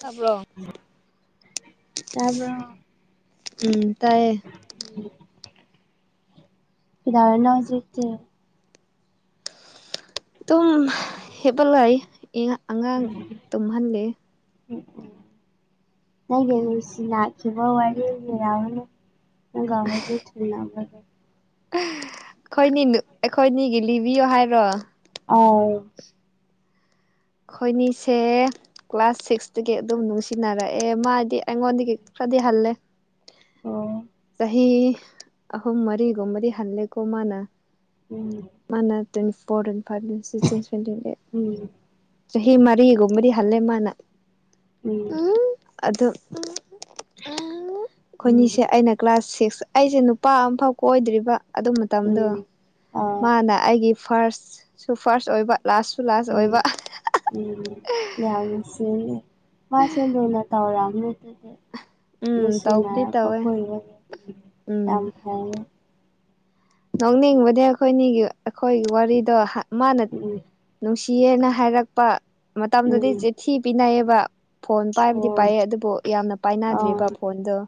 ꯇꯥꯕ꯭ꯔꯣ ꯇꯥꯕ꯭ꯔꯣ ꯎꯝ ꯇꯥꯏꯌꯦ ꯀꯗꯧꯔꯤꯅ‌ꯣ ꯍꯨꯖꯤꯛꯇꯤ ꯗꯨꯨꯝ ꯍꯤꯞꯄ ꯂꯩ ꯏ ꯑꯉꯥꯡ ꯇꯨꯝꯍꯜꯂꯤ ꯎꯝ ꯅꯪꯒꯤ ꯅꯨꯡꯁꯤ ꯅꯥꯏꯠ [unintelligible] ꯑꯩꯈꯣꯏꯅꯤ ꯑꯩꯈꯣꯏꯅꯤꯒꯤ ꯂꯤꯕꯤꯌꯣ ꯍꯥꯏꯔꯣ ꯑꯥꯎ ꯈꯣꯏꯅꯤꯁꯦ ꯀ꯭ꯂꯥꯁ ꯁꯤꯛꯁꯇꯒꯤ ꯑꯗꯨꯝ ꯅꯨꯡꯁꯤꯅꯔꯛꯑꯦ ꯃꯥꯗꯤ ꯑꯩꯉꯣꯟꯗꯒꯤ ꯈꯔꯗꯤ ꯍꯜꯂꯦ ꯑꯣ ꯍꯤ ꯑꯍꯨꯝ ꯃꯔꯤꯒꯨꯝꯕꯗꯤ ꯍꯜꯂꯦꯀꯣ ꯃꯥꯅ꯫ ꯎꯝ ꯃꯥꯅ ꯇ꯭ꯋ‌ꯦꯟꯇꯤ ꯐꯣꯔ ꯇ꯭ꯋ‌ꯦꯟꯇꯤ ꯐꯥꯏꯚ [unintelligible] ꯎꯝ ꯆꯍꯤ ꯃꯔꯤꯒꯨꯝꯕꯗꯤ ꯍꯜꯂꯦ ꯃꯥꯅ ꯎꯝ ꯑꯗꯨ ꯎꯝ ꯑꯩꯈꯣꯏꯅꯤꯁꯦ ꯑꯩꯅ ꯀ꯭ꯂꯥꯁ ꯁꯤꯛꯁ ꯑꯩꯁꯦ ꯅꯨꯄꯥ ꯑꯝꯐꯥꯎ ꯀꯣꯏꯗ꯭ꯔꯤꯕ꯫ ꯑꯗꯨ ꯃꯇꯝꯗꯣ ꯎꯝ ꯑꯥ ꯃꯥꯅ ꯑꯩꯒꯤ ꯐꯥꯔꯁ ꯁꯨ ꯐꯥꯔꯁ ꯑꯣꯏꯕ ꯂꯥꯁꯁꯨ ꯂꯥꯁ ꯎꯝ ꯑꯣꯏꯕ ꯎꯝ ꯌꯥꯝ ꯁꯤꯡꯉꯦ ꯃꯥꯁꯨ ꯂꯨꯅ ꯇꯧꯔꯝꯅꯤ ꯑꯗꯨꯗꯤ ꯎꯝ ꯇꯧꯕꯗꯤ ꯅꯨꯡꯁꯤꯅꯔꯛꯄ ꯇꯧꯋꯦ ꯀꯨꯏꯔ‌ꯦ ꯌꯥꯝ ꯎꯝ ꯐꯩꯌ‌ꯦ ꯅꯣꯛꯅꯤꯡꯕꯗꯤ ꯑꯩꯈꯣꯏꯅꯤꯒꯤ ꯑꯩꯈꯣꯏꯒꯤ ꯋꯥꯔꯤꯗꯣ ꯃꯥꯅ ꯅꯨꯡꯁꯤꯌꯦꯅ ꯍꯥꯏꯔꯛꯄ ꯃꯇꯝꯗꯗꯨꯗꯤ ꯎꯝ ꯆꯤꯊꯤ ꯄꯤꯅꯩꯌꯦꯕ ꯫ ꯐꯣꯟ ꯎꯝ ꯄꯥꯏꯕꯗꯤ ꯑꯣ ꯄꯥꯏꯌꯦ ꯑꯗꯨꯕꯨ ꯌꯥꯝꯅ ꯄꯥꯏꯅꯗ꯭ꯔꯤꯕ ꯐꯣꯟꯗꯣ ꯫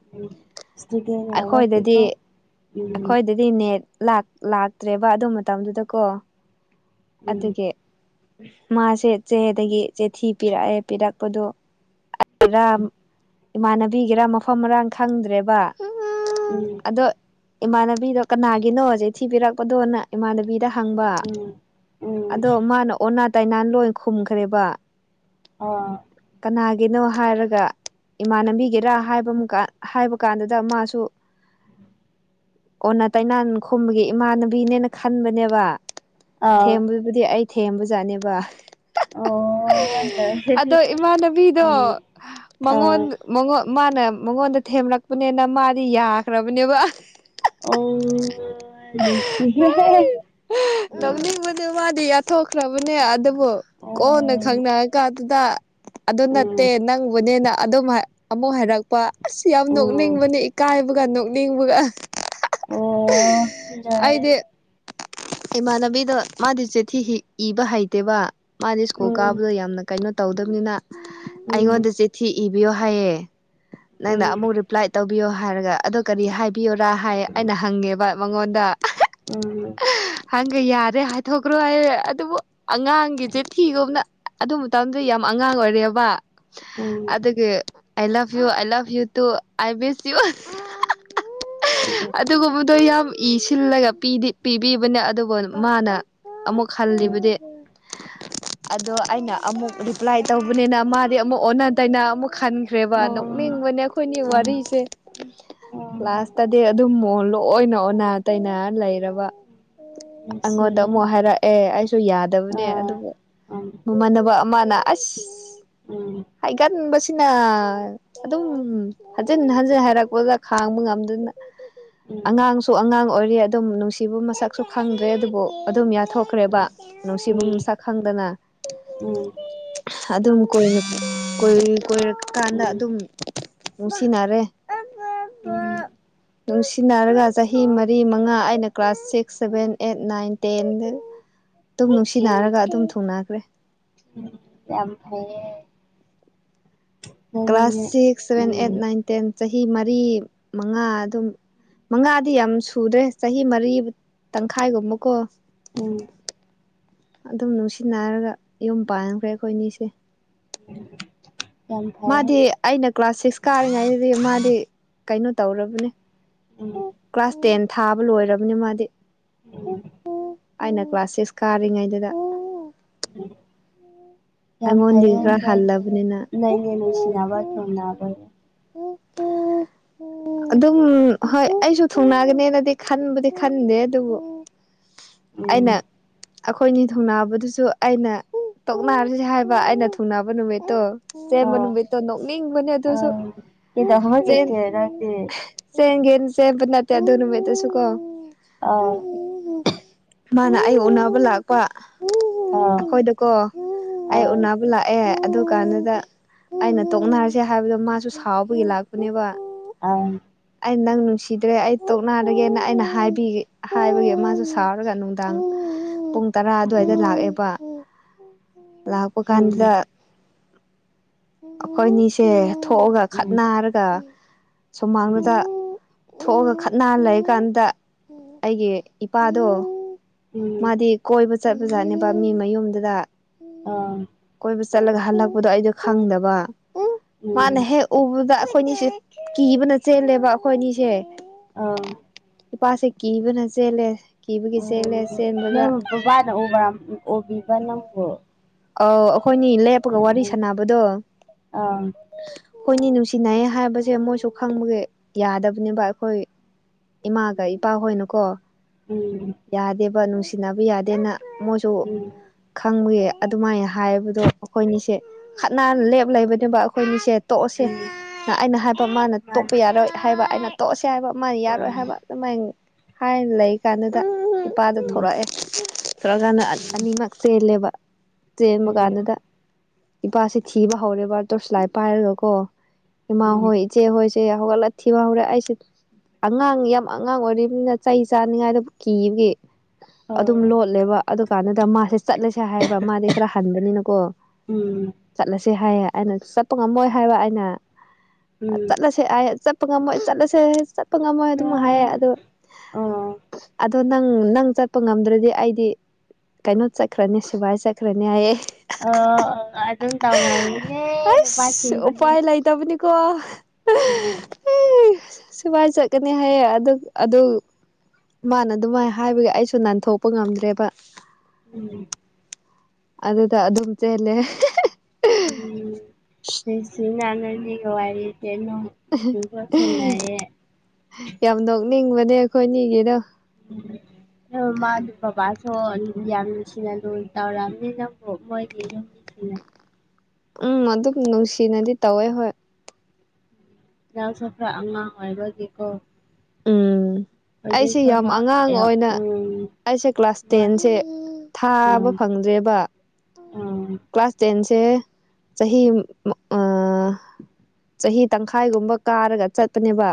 ꯏꯁꯦꯀ [unintelligible] ꯑꯩꯈꯣꯏꯗꯗꯤ ꯅꯦꯠ ꯂꯥꯛꯇ꯭ꯔꯦꯕ ꯑꯗꯨ ꯃꯇꯝꯗꯨꯗꯀꯣ ꯎꯝ ꯑꯗꯨꯗꯒꯤ ꯃꯥꯁꯦ ꯆꯦꯗꯒꯤ ꯆꯦꯊꯤ ꯄꯤꯔꯛꯑꯦ ꯄꯤꯔꯛꯄꯗꯣ ꯏꯃꯥꯟꯅꯕꯤꯒꯤꯔꯥ ꯃꯐꯝ ꯃꯔꯥꯡ ꯈꯪꯗ꯭ꯔꯦꯕ ꯎꯝ ꯑꯗꯣ ꯏꯃꯥꯟꯅꯕꯤꯗꯣ ꯀꯅꯥꯒꯤꯅꯣ ꯆꯤꯊꯤ ꯄꯤꯔꯛꯄꯗꯣꯅ ꯏꯃꯥꯟꯅꯕꯤꯗ ꯍꯪꯕ ꯎꯝ ꯫ ꯎꯝ ꯑꯗꯣ ꯃꯥꯅ ꯑꯣꯅꯥ ꯇꯥꯏꯅꯥ ꯂꯣꯏ ꯈꯨꯝꯈ꯭ꯔꯦꯕ ꯑꯣ ꯀꯅꯥꯒꯤꯅꯣ ꯍꯥꯏꯔꯒ ꯏꯃꯥ ꯅꯝꯕꯤꯒꯦꯔꯥ ꯍꯥꯏꯕ ꯍꯥꯏꯕ ꯀꯥꯟꯗꯨꯗ ꯃꯥꯁꯨ ꯑꯣꯟꯅ ꯇꯩꯅꯥꯟ ꯈꯣꯕꯒꯤ ꯏꯃꯥꯟꯅꯕꯤꯅꯦꯅ ꯈꯟꯕꯅꯦꯕ ꯑ ꯊꯦꯝꯕ ꯑꯗꯨꯗꯤ ꯑꯩ ꯊꯦꯝꯕꯖꯥꯠꯅꯦꯕ ꯑꯣ ꯑꯗꯣ ꯂꯨꯁꯤ ꯏꯃꯥꯟꯅꯕꯤꯗꯣ ꯎꯝ ꯃꯉꯣꯟ ꯑꯣ ꯃꯉꯣꯟ ꯃꯥꯅ ꯃꯉꯣꯟꯗ ꯊꯦꯝꯂꯛꯄꯅꯦꯅ ꯃꯥꯗꯤ ꯌꯥꯈ꯭ꯔꯕꯅꯦꯕ ꯑꯣꯁꯤ ꯑꯗꯨ ꯃꯥꯗꯤ ꯌꯥꯊꯣꯛꯈ꯭ꯔꯕꯅꯦ ꯑꯗꯨꯕꯨ ꯀꯣꯟꯅ ꯈꯪꯅꯔ ꯀꯥꯟꯗꯨꯗ ꯑꯗꯨ ꯅꯠꯇꯦ ꯎꯝ ꯅꯪꯕꯨꯅꯦꯅ ꯑꯗꯨꯝ ꯑꯃꯨꯛ ꯍꯥꯏꯔꯛꯄ ꯑꯁ ꯌꯥꯝ ꯎꯝ ꯅꯣꯛꯅꯤꯡꯕꯅꯤ ꯏꯀꯥꯏꯕꯒ ꯅꯣꯛꯅꯤꯡꯕꯒ ꯑꯣ ꯑꯩꯗꯤ ꯂꯣꯏꯔꯦ ꯏꯃꯥꯟꯅꯕꯤꯗ ꯃꯥꯗꯤ ꯆꯤꯊꯤ ꯏꯕ ꯍꯩꯇꯦꯕ ꯃꯥꯗꯤ ꯁ꯭ꯀꯨꯜ ꯎꯝ ꯀꯥꯕꯗꯣ ꯌꯥꯝꯅ ꯀꯩꯅꯣ ꯇꯧꯗꯕꯅꯤꯅ ꯎꯝ ꯑꯩꯉꯣꯟꯗ ꯆꯤꯊꯤ ꯏꯕ ꯕꯤꯌꯣ ꯍꯥꯏꯌꯦ ꯅꯪꯅ ꯎꯝ ꯑꯃꯨꯛ ꯔꯤꯄ꯭ꯂꯥꯢ ꯇꯧꯕꯤꯌꯣ ꯍꯥꯏꯔꯒ ꯄꯤꯌꯣꯔꯥ ꯍꯥꯏ ꯑꯩꯅ ꯍꯪꯉꯦꯕ ꯃꯉꯣꯟꯗ ꯎꯝ ꯍꯪꯒꯦ ꯌꯥꯔꯦ ꯍꯥꯏꯗꯣꯛꯈ꯭ꯔꯣ ꯍꯥꯏꯔꯦ ꯑꯗꯨꯕꯨ ꯑꯉꯥꯡꯒꯤꯁꯦ ꯊꯤꯒꯨꯝꯅ ꯑꯗꯨ ꯃꯇꯝꯗꯤ ꯌꯥꯝ ꯑꯉꯥꯡ ꯑꯣꯏꯔꯦꯑꯕ ꯎꯝ ꯑꯗꯨꯗꯒꯤ ꯑꯥꯏ ꯂꯚ ꯌꯨ ꯑ love you too I miss you. ꯎꯝ ꯑꯗꯨꯒꯨꯝꯕꯗꯣ ꯌꯥꯝ ꯏ ꯁꯤꯜꯂꯒ ꯄꯤꯕꯤꯕꯅꯦ ꯑꯗꯨꯒ ꯃꯥꯅ ꯑꯃꯨꯛ ꯎꯝ ꯈꯜꯂꯤꯕꯗꯤ ꯑꯗꯣ ꯑꯩꯅ ꯑꯃꯨꯛ ꯔꯤꯄ꯭ꯂꯥꯏ ꯇꯧꯕꯅꯤꯅ ꯃꯥꯗꯤ ꯑꯃꯨꯛ ꯑꯣꯟꯅ ꯇꯩꯅ ꯑꯃꯨꯛ ꯈꯟꯈ꯭ꯔꯦꯕ ꯑꯣ ꯅꯣꯛꯅꯤꯡꯕꯅꯦ ꯑꯩꯈꯣꯏꯅꯤ ꯎꯝ ꯋꯥꯔꯤꯁꯦ ꯎꯝ ꯀ꯭ꯂꯥꯁꯇꯗꯤ ꯑꯗꯨꯝ ꯂꯣꯏꯅ ꯑꯣꯟꯅ ꯇꯩꯅꯔ ꯂꯩꯔꯕ꯫ ꯑꯩꯉꯣꯟꯗ ꯅꯨꯡꯁꯤꯌꯦ ꯑꯃꯨꯛ ꯍꯥꯏꯔ ꯑꯦ ꯑꯩꯁꯨ ꯌꯥꯗꯕꯅꯦ ꯑ ꯑꯗꯨꯕꯨ ꯎꯝ ꯃꯃꯥꯟꯅꯕ ꯑꯃꯅ ꯑꯁ ꯎꯝ ꯎꯝ ꯍꯥꯏꯒꯠꯕꯁꯦ ꯁꯤꯅ ꯑꯗꯨꯝ ꯍꯟꯖꯤꯟ ꯍꯟꯖꯤꯟ ꯍꯥꯏꯔꯛꯄꯗ ꯈꯥꯡꯕ ꯉꯝꯗꯅ ꯎꯝ ꯑꯉꯥꯡꯁꯨ ꯑꯉꯥꯡ ꯑꯣꯏꯔꯤ ꯑꯗꯨꯝ ꯅꯨꯡꯁꯤꯕ ꯃꯁꯛꯁꯨ ꯈꯪꯗ꯭ꯔꯦ ꯑꯗꯨꯕꯨ ꯑꯗꯨꯝ ꯌꯥꯊꯣꯛ ꯀꯈ꯭ꯔꯦꯕ ꯅꯨꯡꯁꯤꯕ ꯃ ꯎꯝ ꯁꯛ ꯈꯪꯗꯅ ꯎꯝ ꯎꯝ ꯑꯗꯨꯝ ꯀꯣꯏꯔ ꯀꯣꯏꯔ ꯆ ꯀꯥꯟꯗ ꯑꯗꯨꯝ ꯅꯨꯡꯁꯤꯟꯅꯔꯦ ꯎꯝ ꯅꯨꯡꯁꯤꯅꯔꯒ ꯆꯍꯤ ꯃꯔꯤ ꯃꯉꯥ ꯑꯩꯅ class six seven eight nine ꯇꯦꯟꯗ ꯑꯗꯨꯝ ꯅꯨꯡꯁꯤꯅꯔꯒ ꯑꯗꯨꯝ ꯊꯨꯡꯅꯈ꯭ꯔꯦ ꯎ ꯌꯥꯝ ꯐꯌꯦ class six seven eight um nine ten ꯆꯍꯤ ꯃꯔꯤ ꯃꯉꯥ ꯑꯗꯨꯝ ꯃꯉꯥꯗꯤ ꯌꯥꯝ ꯁꯨꯔꯦ ꯆꯍꯤ ꯃꯔꯤ ꯇꯪꯈꯥꯏꯒꯨꯝꯕꯀꯣ ꯑꯣ [unintelligible] ꯑꯗꯨꯝ ꯅꯨꯡꯁꯤꯅꯔꯒ ꯌꯨꯝ ꯄꯥꯟꯈ꯭ꯔꯦ ꯑꯩꯈꯣꯏ ꯑꯅꯤꯁꯦ ꯎ [unintelligible] ꯃꯥꯗꯤ ꯑꯩꯅ ꯀ꯭ꯂꯥꯁ ꯁꯤꯛꯁ ꯀꯥꯔꯤꯉꯩꯗꯗꯤ ꯃꯥꯗꯤ ꯀꯩꯅꯣ ꯇꯧꯔꯕꯅꯦ ꯎꯝ ꯀ꯭ꯂꯥꯁ ꯇꯦꯟ ꯊꯥꯕ ꯂꯣꯏꯔꯕꯅꯤ ꯃꯥꯗꯤ ꯎꯝ ꯑꯩꯅ ꯀ꯭ꯂꯥꯁ ꯁꯤꯁꯛ ꯀꯥꯔꯤꯉꯩꯗꯨꯗ ꯌꯥꯝ ꯑꯩꯉꯣꯟꯗꯒꯤ ꯐꯩꯌꯦ ꯈꯔ ꯍꯜꯂꯕꯅꯤꯅ ꯅꯅꯦ ꯅꯨꯡꯁꯤꯅꯕ ꯊꯝ ꯑꯗꯨ ꯎꯛꯇ ꯑꯗꯨꯝ ꯍꯣꯏ ꯑꯩꯁꯨ ꯊꯨꯡꯅꯒꯅꯤꯅꯗꯤ ꯈꯟꯕꯨꯗꯤ ꯈꯟꯗꯦ ꯑꯗꯨꯕꯨ ꯑꯩꯅ ꯎꯝ ꯑꯩꯈꯣꯏꯅꯤ ꯊꯨꯡꯅꯥꯕꯗꯨꯁꯨ ꯑꯩꯅ ꯇꯣꯛꯅꯔꯁꯤ ꯍꯥꯏꯕ ꯑꯩꯅ ꯊꯨꯡꯅꯕ ꯅꯨꯃꯤꯠꯇꯣ ꯑꯥ ꯁꯦꯝꯦꯅꯕꯠꯇꯣ ꯅ ꯃꯤ ꯃꯅꯤ ꯑꯗꯨꯣꯁꯨ ꯀꯗ ꯍꯋꯥꯒꯤꯠꯇꯦ ꯔꯗꯤꯦ ꯁꯒꯦ ꯁꯦ ꯄꯅꯥꯠꯇ ꯑꯗꯨꯔ ꯃꯠꯇꯁꯨ ꯀꯣ ꯑꯥ ꯃꯥꯅ ꯑꯩ ꯎꯅꯕ ꯂꯥꯛꯄ ꯑꯥ ꯑꯩꯈꯣꯏꯗꯀꯣ ꯑꯩ ꯑꯥ ꯎꯅꯕ ꯂꯥꯛ ꯑꯦ ꯑꯗꯨ ꯀꯥꯟꯗꯨꯗ ꯑꯩꯅ ꯇꯣꯛꯅꯔꯁꯦ ꯍꯥꯏꯕꯗꯣ ꯃꯥꯁꯨ ꯁꯥꯎꯕꯒꯤ ꯂꯥꯛꯄꯅꯦꯕ ꯫ ꯑꯥ ꯑꯩ ꯅꯪ ꯅꯨꯡꯁꯤꯗ꯭ꯔꯦ ꯑꯩ ꯇꯣꯛꯅꯔꯒꯦꯅ ꯑꯩꯅꯦ ꯍꯥꯏꯕꯒꯤ ꯃꯁꯨ ꯁꯥꯎꯔꯒ ꯅꯨꯡꯗꯥꯡ ꯄꯨꯡ ꯇꯔꯥ ꯑꯗꯨꯋꯥꯏꯗ ꯂꯥꯛꯑꯦꯕ ꯂꯥꯛꯄ ꯎꯝ ꯎꯝ ꯀꯥꯟꯗꯨꯗ ꯑꯩꯈꯣꯏꯅꯤꯁꯦ ꯊꯣꯛꯑꯒ ꯎꯝ ꯈꯠꯅꯔꯒ ꯎꯝ ꯁꯨꯃꯥꯡꯂꯗ ꯊꯣꯛꯑꯒ ꯈꯠꯅ ꯂꯩꯀꯥꯟꯗ ꯑꯩꯒꯤ ꯏꯄꯥꯗꯣ ꯎꯝ ꯃꯥꯗꯤ ꯀꯣꯏꯕ ꯆꯠꯄꯖꯥꯠꯅꯦꯕ ꯃꯤ ꯃꯌꯨꯝꯗꯨꯗ ꯑꯥ ꯀꯣꯏꯕ ꯆꯠꯂꯒ ꯍꯜꯂꯛꯄꯗꯣ ꯑꯩꯗꯣ ꯈꯪꯗꯕ ꯎꯝ ꯃꯥꯅ ꯍꯦꯛ ꯎꯕꯗ ꯑꯩꯈꯣꯏꯅꯤꯁꯦ ꯀꯤꯕꯅ ꯆꯦꯜꯂꯦꯕ ꯑꯩꯈꯣꯏ ꯑꯅꯤꯁꯦ ꯑꯥ ꯏꯄꯥꯁꯦ ꯀꯤꯕꯅ ꯆꯦꯜꯂꯦ ꯀꯤꯕꯒꯤ ꯆꯦꯜꯂꯦ ꯎꯝ ꯆꯦꯟꯕꯒ ꯅꯪ ꯕꯕꯥꯅ ꯎꯕ ꯎꯕꯤꯕ ꯅꯪꯕꯨ ꯑꯥꯎ ꯑꯩꯈꯣꯏꯅꯤ ꯂꯦꯞꯄꯒ ꯋꯥꯔꯤ ꯎꯝ ꯁꯥꯟꯅꯕꯗꯣ ꯑꯥ ꯑꯩꯈꯣꯏꯅꯤ ꯅꯨꯡꯁꯤꯅꯩ ꯍꯥꯏꯕꯁꯦ ꯃꯣꯏꯁꯨ ꯈꯪꯕꯒꯤ ꯌꯥꯗꯕꯅꯦꯕ ꯑꯩꯈꯣꯏ ꯏꯃꯥꯒ ꯏꯄꯥꯍꯣꯏꯅꯀꯣ ꯎꯝ ꯌꯥꯗꯦꯕ ꯅꯨꯡꯁꯤꯅꯕ ꯌꯥꯗꯦꯅ ꯃꯣꯏꯁꯨ ꯎꯝ ꯈꯪꯕꯏ ꯑꯗꯨꯃꯥꯏꯅ ꯍꯥꯏꯕꯗꯣ ꯑꯩꯈꯣꯏꯅꯤꯁꯦ ꯈꯠꯅꯥ ꯂꯦꯞ ꯂꯩꯕꯅꯦꯕ ꯑꯩꯈꯣꯏꯅꯤꯁꯦ ꯇꯣꯛꯑꯁꯦ ꯎꯝ ꯑꯩꯅ ꯍꯥꯏꯕ ꯃꯥꯅ ꯃꯥꯅꯦ ꯇꯣꯛꯄ ꯌꯥꯔꯣꯏ ꯍꯥꯏꯕ ꯑꯩꯅ ꯇꯣꯛꯑꯁꯦ ꯍꯥꯏꯕ ꯃꯥꯅ ꯑꯣ ꯌꯥꯔꯣꯏ ꯍꯥꯏꯕ ꯁꯃꯥꯏꯅ ꯍꯥꯏꯅ ꯂꯩ ꯀꯥꯟꯗꯨꯗ ꯏꯄꯥꯗ ꯊꯂꯛꯑꯦ ꯊꯂꯛꯑꯀꯥꯟꯗ ꯑꯅꯤꯃꯛ ꯆꯦꯜꯂꯦꯕ ꯆꯦꯟꯕ ꯀꯥꯟꯗꯨꯗ ꯏꯄꯥꯁꯤꯦ ꯊꯤꯕ ꯍꯧꯔꯦꯕ ꯇꯣꯔꯁ ꯂꯥꯏꯠ ꯄꯥꯏꯔꯒꯀꯣ ꯏꯃ ꯍꯣꯏꯆꯦ ꯍꯁꯦ ꯍꯧꯒꯂ ꯊꯤ ꯋꯥ ꯍꯧꯔꯦ ꯍꯥꯏꯁꯦ ꯑꯉꯥꯡ ꯌꯥꯝ ꯑꯉꯥꯡ ꯑꯣꯏꯔꯤꯕꯝꯅꯤꯅ ꯆꯍꯤ ꯆꯥꯅꯤꯉꯥꯏꯗꯕꯨ ꯀꯤꯕꯒꯤ ꯑꯗꯨꯝ ꯂꯣꯠꯂꯦꯕ ꯑꯗꯨ ꯀꯥꯟꯗꯨꯗ ꯃꯥꯁꯦ ꯆꯠꯂꯁꯦ ꯍꯥꯏ ꯃꯥꯗꯤ ꯈꯔ ꯍꯟꯕꯅꯤꯅꯀꯣ ꯆꯠꯂꯁꯦ ꯍꯥꯏꯌꯦ ꯑꯩꯅ ꯆꯠꯄ ꯉꯝꯃꯣꯏ ꯍꯥꯏꯕ ꯑꯩꯅ ꯎꯝ ꯆꯠꯂꯁꯦ ꯑ ꯆꯠꯄ ꯉꯝꯃꯣꯏ ꯆꯠꯂꯁꯦ ꯆꯄ ꯉꯝꯃꯣꯏ ꯑꯗꯨꯝ ꯍꯥꯏꯌꯦ ꯑꯗꯣ ꯑꯣ ꯑꯗꯣ ꯅꯪ ꯅꯪ ꯆ ꯉꯝꯗ꯭ꯔꯗꯤ ꯑꯩꯗꯤ ꯀꯩꯅꯣ ꯆꯠꯈ꯭ꯔꯅꯤ ꯁꯤꯐꯥꯏ ꯆꯠꯈ꯭ꯔꯅꯤ ꯍꯥꯏꯌꯦ ꯫ ꯑꯣ ꯑꯗꯨꯝ ꯇꯧꯒꯟꯕꯅꯦ ꯅꯨꯄꯥ ꯁꯤꯡꯁꯦ ꯇꯧꯕꯅꯤ ꯀꯣ ꯎꯝ ꯎꯝ [unintelligible] ꯁꯃꯥꯏ ꯆꯠꯀꯅꯤ ꯍꯥꯏꯌꯦ ꯑꯗꯨ ꯑꯗꯨ ꯃꯥꯅ ꯑꯗꯨꯃꯥꯏꯅ ꯍꯥꯏꯕꯒꯤ ꯑꯩꯁꯨ ꯅꯥꯟꯊꯣꯛꯄ ꯉꯝꯗ꯭ꯔꯦꯕ ꯎꯝ ꯑꯗꯨꯗ ꯑꯗꯨꯝ ꯆꯦꯜꯂꯦ ꯎꯝ ꯁꯤꯅꯥꯅꯒ ꯋꯥꯔꯤꯅꯣ [unintelligible] ꯌꯥꯝ ꯅꯣꯛꯅꯤꯡꯕꯅꯦ ꯑꯩꯈꯣꯏꯅꯤꯒꯤꯗꯣ ꯎꯝ ꯃꯥ ꯕꯕꯥꯁꯨ ꯌꯥꯝ ꯅꯨꯡꯁꯤꯅ ꯂꯨꯅ ꯇꯧꯔꯛꯑꯝꯅꯤ ꯅꯪꯕꯨ ꯃꯣꯏꯒꯤ [unintelligible] ꯎꯝ ꯑꯗꯨꯝ ꯅꯨꯡꯁꯤꯅꯗꯤ ꯇꯧꯋꯦ ꯍꯣꯏ ꯌꯥꯎ ꯁꯥꯐ꯭ꯔꯥ ꯑꯃꯃ ꯍꯕꯖꯤꯀꯣ ꯎꯝ ꯑꯩꯁꯦ ꯌꯥꯝ ꯅꯪ ꯑꯉꯥꯡ ꯑꯣꯏꯅ ꯎꯝ ꯑꯩꯁꯦ ꯀ꯭ꯂꯥꯁ ꯇꯦꯟꯁꯦ ꯊꯥꯕ ꯐꯪꯗ꯭ꯔꯦꯕ ꯎꯝ ꯀ꯭ꯂꯥꯁ ꯇꯦꯟꯁꯦ ꯆꯍꯤ ꯆꯍꯤ ꯇꯪꯈꯥꯏꯒꯨꯝꯕ ꯀꯥꯔꯒ ꯆꯠꯄꯅꯦꯕ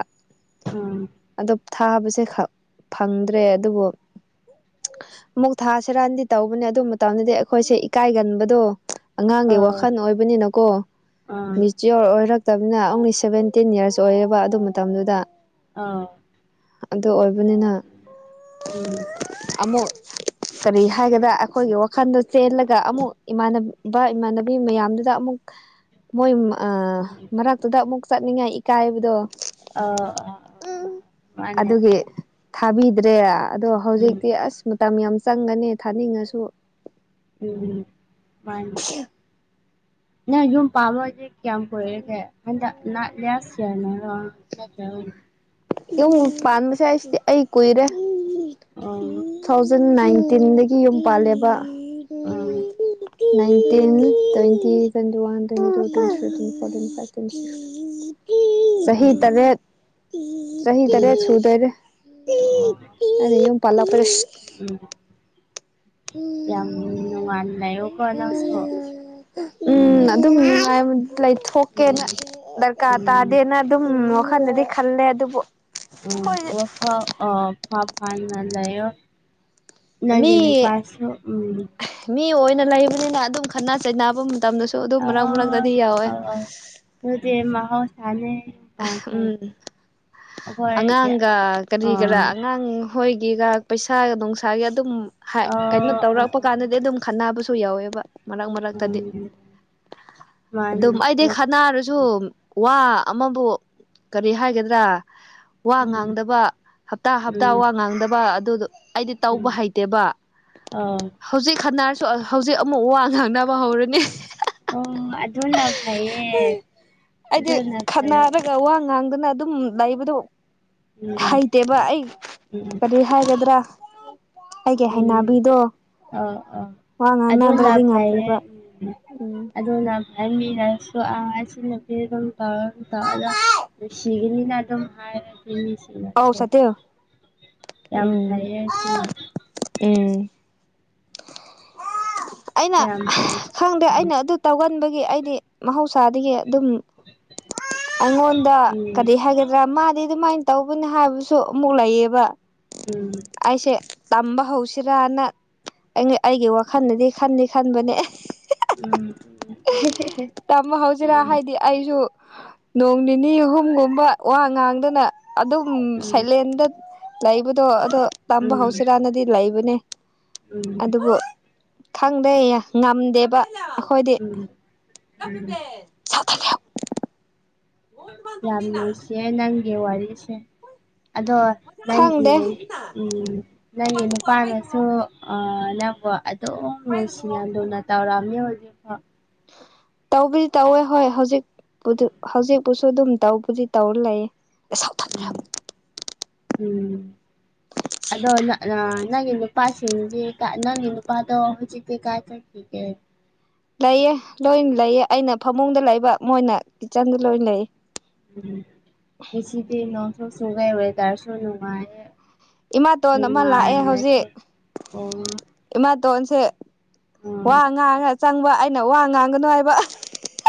ꯎꯝ ꯑꯗꯣ ꯊꯥꯕꯁꯦ ꯈ ꯐꯪꯗ꯭ꯔꯦ ꯑꯗꯨꯕꯨ ꯑꯃꯨꯛ ꯊꯥꯥꯁꯔꯥꯟꯗꯤ ꯇꯧꯕꯅꯦ ꯑꯗꯨ ꯃꯇꯝꯗꯗꯤ ꯑꯩꯈꯣꯏꯁꯦ ꯏꯀꯥꯏꯒꯟꯕꯗꯣ ꯑꯉꯥꯡꯒꯤ ꯑꯥ ꯋꯥꯈꯜ ꯑꯣꯏꯕꯅꯤꯅꯀꯣ ꯑꯥ ꯃꯤ ꯆꯔꯣ ꯑꯣꯏꯔꯛꯇꯅꯤꯅ ꯑꯣꯡꯂꯤ ꯁꯕꯦꯟꯇꯤꯟ ꯏꯌꯔꯁ ꯑꯣꯏꯌꯦꯕ ꯑꯗꯨ ꯃꯇꯝꯗꯨꯗ ꯑꯥ ꯑꯗꯨ ꯑꯣꯏꯕꯅꯤꯅ ꯎꯝ ꯑꯃꯨꯛ ꯀꯔꯤ ꯍꯥꯏꯒꯗ꯭ꯔꯥ ꯑꯩꯈꯣꯏꯒꯤ ꯋꯥꯈꯜꯗꯣ ꯆꯦꯜꯂꯒ ꯑꯃꯨꯛ ꯏꯃꯥꯟꯅꯕ ꯏꯃꯥꯟꯅꯕꯤ ꯃꯌꯥꯝꯗꯨꯗ ꯑꯃꯨꯛ ꯃꯣꯏ ꯃꯔꯥꯛꯇꯨꯗ ꯃꯨꯛ ꯆꯠꯅꯤꯡꯉꯥꯏ ꯏꯀꯥꯏꯕꯗꯣ ꯑꯥ ꯎꯝ ꯃꯥꯅꯦ ꯑꯗꯨꯒꯤ ꯃꯥꯅꯦ ꯊꯥꯕꯤꯗ꯭ꯔꯦ ꯑꯗꯣ ꯎꯝ ꯍꯧꯖꯤꯛꯇꯤ ꯑꯁ ꯃꯇꯝ ꯌꯥꯝ ꯆꯪꯒꯅꯤ ꯊꯥꯅꯤꯡꯉꯁꯨ ꯎꯝ ꯃꯥꯅꯤ ꯅ ꯌ ꯄꯥꯃꯖꯤꯦ ꯀꯌꯥꯝ ꯀꯨꯏꯔꯒꯦ ꯍꯟꯗꯛ ꯅꯥ ꯂꯥꯁꯌꯥ꯭ꯔꯅꯔꯣ ꯅꯠꯇ꯭ꯔ ꯌꯨꯝ ꯄꯥꯟꯕꯁꯦ ꯍꯁꯤꯗꯤ ꯑꯩ ꯀꯨꯏꯔꯦ꯫ [unintelligible] ꯇꯨꯊꯥꯎꯖꯟꯅꯥꯏꯟꯇꯤꯟ ꯗꯒꯤ ꯌꯨꯝ ꯄꯥꯜꯂꯦꯕ ꯎꯝ nineteen twenty twenty one twenty ꯇ ꯇꯨ ꯐ ꯐꯣꯔꯇꯤꯟ ꯐ ꯇ꯭ꯋ ꯆꯍꯤ ꯎꯝ ꯇꯔꯦꯠ ꯁꯍꯤ ꯎꯝ ꯇꯔꯦꯠ ꯆꯨꯗꯔꯦ ꯑꯣ ꯑꯩꯅ ꯋꯨꯝ ꯄꯂꯛꯄꯁꯦ ꯎꯝ ꯎꯝ ꯌꯝ ꯅꯨꯡꯉꯥꯏꯅ ꯂꯩꯥꯎ ꯀꯣꯅꯪꯁꯨ ꯎꯝ ꯑꯗꯨꯝꯉꯥꯏ ꯎꯝ ꯂꯩꯊꯣꯛꯀꯦꯅ ꯗꯔꯀꯥꯔ ꯎꯝ ꯇꯥꯗꯦꯅ ꯑꯗꯨꯝ ꯋꯥꯈꯜꯗꯗꯤ ꯈꯜꯂꯦ ꯑꯗꯨꯕꯨ ꯎꯝ ꯑꯣ ꯐ ꯐ ꯃ ꯅꯥꯡꯒꯤ ꯃꯤ ꯅꯨꯄꯥꯁꯨ ꯎꯝ ꯃꯤ ꯑꯣꯏꯅ ꯂꯩꯕꯅꯤꯅ ꯑꯗꯨꯝ ꯈꯠꯅ ꯆꯩꯅꯕ ꯃꯇꯝꯗꯁꯨ ꯑꯗꯨꯝ ꯃꯔꯛ ꯃꯔꯛꯇꯗꯤ ꯌꯥꯎꯋꯦ ꯎꯗꯦ ꯃꯈꯣꯏ ꯁꯥꯎꯏ꯫ ꯎꯝ ꯑꯩꯈꯣꯏꯒꯤ ꯑꯉꯥꯡꯒ ꯀꯔꯤ ꯀꯔꯥ ꯑꯥ ꯑꯉꯥꯡ ꯍꯈꯣꯏꯒꯤꯒ ꯄꯩꯁꯥꯒ ꯅꯨꯡꯁꯥꯒꯤ ꯑꯗꯨꯝ ꯍꯥꯏ ꯀꯩꯅꯣ ꯑꯥ ꯑꯥ ꯇꯧꯔꯛꯄ ꯀꯥꯟꯗꯗꯤ ꯑꯗꯨꯝ ꯈꯥꯟꯕꯁꯨ ꯌꯥꯎꯋꯦꯕ ꯃꯔꯛ ꯃꯔꯛꯇꯗꯤ ꯎꯝ ꯃꯥꯅꯦ ꯑꯗꯨꯝ ꯑꯩꯗꯤ ꯈꯅꯥꯔꯁꯨ ꯋꯥ ꯑꯃꯕꯨ ꯀꯔꯤ ꯍꯥꯏꯒꯗ꯭ꯔꯥ ꯋꯥ ꯎꯝ ꯉꯥꯡꯗꯕ ꯍꯞꯇꯥ ꯍꯞꯇꯥ ꯎꯝ ꯋꯥ ꯉꯥꯡꯗꯕ ꯑꯗꯨꯗꯣ ꯑꯩꯗꯤ ꯎꯝ ꯇꯧꯕ ꯍꯩꯇꯦꯕ ꯑꯧ ꯍꯧꯖꯤꯛ ꯍꯟꯅꯥꯔꯁꯨ ꯍꯧꯖꯤꯛ ꯑꯃꯨꯛ ꯋꯥ ꯉꯥꯡꯅꯕ ꯍꯧꯔꯅꯤ ꯑꯣ ꯑꯗꯨꯅ ꯐꯩꯌꯦ ꯑꯩꯗꯤ ꯑꯗꯨꯅ ꯐꯩꯌꯦ ꯈꯟꯅꯔꯒ ꯋꯥ ꯉꯥꯡꯗꯅ ꯑꯗꯨꯝ ꯂꯩꯕꯗꯣ ꯎꯝ ꯍꯩꯇꯦꯕ ꯑꯩ ꯎꯝ ꯀꯔꯤ ꯍꯥꯏꯒꯗ꯭ꯔꯥ ꯑꯩꯒꯤ ꯍꯩꯅꯕꯤꯗꯣ ꯑꯥꯎ ꯑꯧ ꯋꯥ ꯑꯗꯨꯅ ꯉꯥꯡꯅꯗ꯭ꯔꯗꯤ ꯐꯩꯔꯦ ꯉꯝꯗꯦꯕ ꯎ ꯎꯝ ꯑꯗꯨꯅ [unintelligible] ꯁꯤꯤꯒꯔꯤꯅ ꯑꯗꯨꯝ ꯍꯥꯔꯅꯤ ꯁꯤꯃ ꯑꯧ ꯁꯇꯤꯜ ꯌꯥꯝ ꯎꯝ ꯐꯩꯌꯦꯁꯤꯅ ꯎꯝ ꯑꯩꯅ ꯌꯥꯝ ꯐꯩ ꯈꯪꯗꯦ ꯑꯩꯅ ꯑꯗꯨ ꯇꯧꯒꯟꯕꯒꯤ ꯑꯩꯗꯤ ꯃꯍꯧꯁꯥꯗꯒꯤ ꯑꯗꯨꯝ ꯑꯩꯉꯣꯟꯗ ꯀꯔꯤ ꯍꯥꯏꯒꯗ꯭ꯔꯥ ꯃꯥꯗꯤ ꯑꯗꯨꯃꯥꯏ ꯇꯧꯕꯅꯤ ꯍꯥꯏꯕꯁꯨ ꯑꯃꯨꯛ ꯂꯩꯌꯦꯕ ꯎꯝ ꯑꯩꯁꯦ ꯇꯝꯕ ꯍꯧꯁꯤꯔꯅ ꯑꯩꯒꯤ ꯋꯥꯈꯜꯅꯗꯤ ꯈꯟꯗꯤ ꯈꯟꯕꯅꯦ ꯎꯝ ꯇꯝꯕ ꯍꯧꯥꯎꯖꯤꯔꯥ ꯍꯥꯏꯗꯤ ꯑꯩꯁꯨ ꯅꯣꯡ ꯅꯤꯅꯤ ꯑꯍꯨꯝꯒꯨꯝꯕ ꯋꯥ ꯉꯥꯡꯗꯅ ꯑꯗꯨꯝ ꯎꯝ ꯁꯥꯏꯂꯦꯟꯗ ꯂꯩꯕꯗꯣ ꯑꯗꯣ ꯇꯝꯕ ꯎꯝ ꯍꯧꯁꯤꯔꯅꯗꯤ ꯂꯩꯕꯅꯦ ꯎꯝ ꯎꯝ ꯎꯝ ꯑꯗꯨꯕꯨ ꯈꯪꯗꯦ ꯉꯝꯗꯦꯕ ꯑꯩꯈꯣꯏꯗꯤ [unintelligible] [unintelligible] ꯌꯥꯝ ꯅꯨꯡꯁꯤꯌꯦ ꯅꯪꯒꯤ ꯋꯥꯔꯤꯁꯦ ꯑꯗꯣ ꯅꯪꯒꯤ ꯈꯪꯗꯦ ꯎꯝ ꯅꯪꯒꯤ ꯅꯨꯄꯥꯅꯁꯨ ꯅꯪꯕꯣ ꯑꯗꯨꯝ ꯅꯨꯡꯁꯤꯅ ꯂꯨꯅ ꯇꯧꯔꯝꯅꯤ ꯍꯧꯖꯤꯛ ꯐꯥꯎ ꯇꯥꯎꯕꯨꯗ ꯇꯥꯎꯋꯦ ꯍꯣꯏ ꯍꯧꯖꯤꯛ ꯍꯧꯖꯤꯛ ꯄꯨꯁꯨ ꯑꯗꯨꯝ ꯇꯧ ꯄꯨꯁꯤ ꯇꯧꯔ ꯂꯩ ꯎꯝ ꯎꯝ ꯑꯗꯣ ꯅꯪꯒꯤ ꯅꯨꯄꯥꯁꯤꯡꯒꯤ ꯅꯪꯒꯤ ꯅꯨꯄꯥꯗꯣ ꯍꯧꯖꯤꯛꯇꯤ ꯀꯥꯏ [unintelligible] ꯂꯩꯌꯦ ꯂꯣꯏ ꯂꯩꯌꯦ ꯑꯩꯅ ꯐꯃꯨꯡꯗ ꯂꯩꯕ ꯃꯣꯏꯅ ꯀꯤꯠꯆꯟꯗ ꯂꯣꯏ ꯂꯩꯌꯦ ꯉꯁꯤꯗꯤ ꯅꯣꯡ ꯁꯨ ꯆꯨꯏꯌꯦ ꯋꯦꯗꯔꯁꯨ ꯅꯨꯉꯥꯏꯌꯦ ꯏꯃꯥꯇꯣꯟ ꯎ ꯑꯃ ꯂꯥꯛꯑꯦ ꯍꯧꯖꯤꯛ ꯑꯣ ꯏꯃꯥꯇꯣꯟꯁꯦ ꯎꯝ ꯋꯥ ꯉꯥꯡꯉ ꯆꯪꯕ ꯑꯩꯅ ꯋꯥ ꯉꯥꯡꯒꯅꯨ ꯍꯥꯏꯕ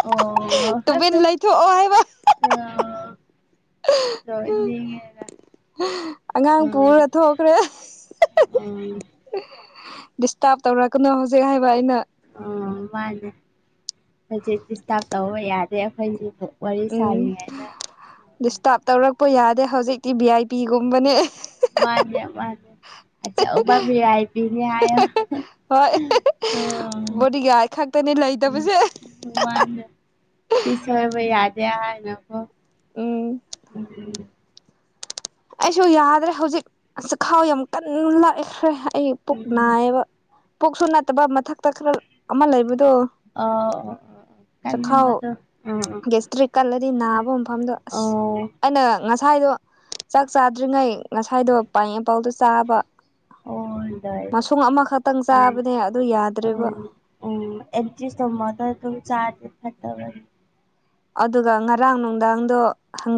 ꯑꯣ ꯇꯨꯚꯦꯟ ꯂꯩꯊꯣꯛꯑꯣ ꯍꯥꯏꯕ [unintelligible] ꯑꯉꯥꯡ ꯎꯝ ꯄꯨꯔ ꯊꯣꯛꯈ꯭ꯔꯦ ꯎꯝ ꯗꯤꯁꯇꯥꯔꯕ ꯇꯧꯔꯛꯀꯅꯨ ꯍꯧꯖꯤꯛ ꯍꯥꯏꯕ ꯑꯩꯅ ꯑꯣ ꯃꯥꯅꯦ ꯍꯧꯖꯤꯛ ꯗꯤꯁꯇꯥꯔꯕ ꯇꯧꯕ ꯌꯥꯗꯦ ꯑꯩꯈꯣꯏꯒꯤꯗꯤ ꯎꯝ ꯗꯤꯁꯇꯥꯔꯕ ꯇꯧꯔꯛꯄ ꯌꯥꯗꯦ ꯍꯧꯖꯤꯛꯇꯤ ꯚꯤ ꯑꯥꯏ ꯄꯤꯒꯨꯝꯕꯅꯦ ꯃꯥꯅꯦꯦ ꯃꯥꯅꯦꯦ ꯑꯆꯧꯕ ꯕꯤꯂꯥꯏꯇꯤꯅꯤ ꯍꯥꯏꯌꯣ ꯍꯣꯏ ꯇꯨꯅꯤ ꯂꯩ ꯎꯝ ꯁꯤꯁꯨ ꯋꯥꯟꯗ ꯁꯤ ꯁꫭꯏꯕ ꯌꯥꯗꯦ ꯍꯥꯏꯅ ꯑꯣ ꯎꯝ ꯑꯩꯁꯨ ꯌꯥꯗ꯭ꯔꯦ ꯍꯧꯖꯤꯛ ꯆꯈꯥꯎ ꯌꯥꯝ ꯀꯟꯅ ꯂꯥꯛꯑꯦꯈ꯭ꯔꯦ ꯑꯩ ꯄꯨꯛ ꯅꯥꯏꯌꯦꯕ ꯄꯣꯛꯁꯨ ꯅꯠꯇꯕ ꯃꯊꯛꯇ ꯈꯔ ꯑꯃ ꯂꯩꯕꯗꯣ ꯑꯥ ꯑꯣ ꯆꯈꯥꯎ ꯇꯥꯅꯤꯡꯕꯗꯣ ꯑꯥ ꯑꯥ ꯒꯦꯁꯇ꯭ꯔꯤꯛ ꯀꯜꯂꯗꯤ ꯅꯥꯕ ꯃꯐꯝꯗꯣ ꯑꯁ ꯑꯣ ꯑꯩꯅ ꯉꯁꯥꯏꯗꯣ ꯆꯥꯛ ꯆꯥꯗ꯭ꯔꯤꯉꯩ ꯉꯁꯥꯏꯗꯣ ꯄꯥꯏꯟꯅꯦꯄꯜꯗꯣ ꯆꯥꯕ ꯑꯣꯗꯔ ꯃꯁꯨꯡ ꯑꯃꯈꯛꯇꯪ ꯎꯝ ꯆꯥꯕꯅꯦ ꯑꯗꯨ ꯌꯥꯗ꯭ꯔꯦꯕ ꯎꯝ ꯎꯝ ꯑꯦꯟꯇꯔꯤꯁ ꯇꯃꯗ ꯑꯗꯨ ꯆꯥꯔꯗꯤ ꯐꯠꯇꯕꯅꯤ ꯑꯗꯨꯒ ꯉꯔꯥꯡ ꯅꯨꯡꯗꯥꯡꯗꯣ ꯍꯪꯒꯥ